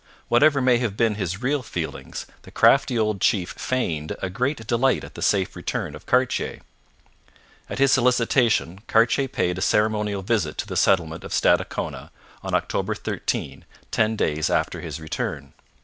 Whatever may have been his real feelings, the crafty old chief feigned a great delight at the safe return of Cartier. At his solicitation Cartier paid a ceremonial visit to the settlement of Stadacona, on October 13, ten days after his return.